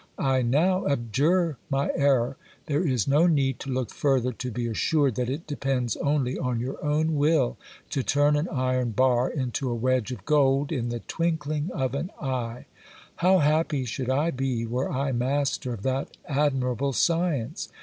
I now abjure my error. There is no need to look further to be assured that it depends only on your own will to turn an iron bar into a wedge of gold in the twinkling of an eye. How happy should I be were I master of that admirable science